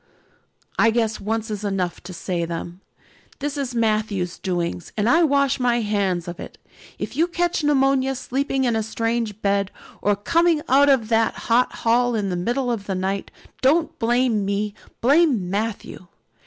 "I guess once is enough to say them. This is Matthew's doings and I wash my hands of it. If you catch pneumonia sleeping in a strange bed or coming out of that hot hall in the middle of the night, don't blame me, blame Matthew.